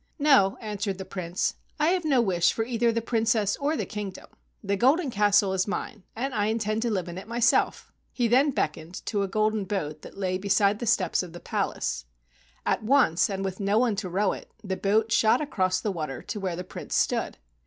"No," answered the Prince, "I have no wish for either the Princess or the kingdom. The Golden Castle is mine and I intend to live in it myself." He then beckoned to a golden boat that lay 40 AN EAST INDIAN STORY beside the steps of the palace. At once, and with no one to row it, the boat shot across the water to where the Prince stood.